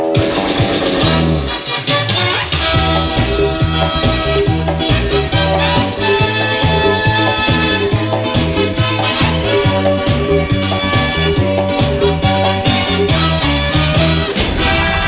เป็นหนึ่งเพลงในศิลปินที่ฉันชอบ